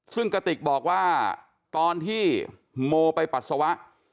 ซึ่งกระติกบอกว่าตอนที่โมไปปัสสาวะ